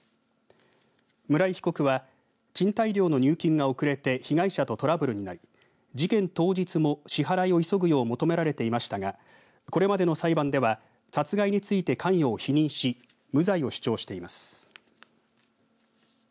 村井被告は賃貸料の入金が遅れて被害者とトラブルになり事件当日も支払いを急ぐよう求められていましたがこれまでの裁判では殺害について関与を否認し無罪を主張しています。